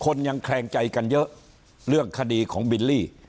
ยังแคลงใจกันเยอะเรื่องคดีของบิลลี่